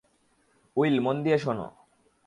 Will, মন দিয়ে শোনো।